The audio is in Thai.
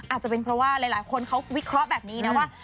อาจจะเป็นเพราะว่าหลายคนเขาวิเคราะห์แบบนี้นะว่า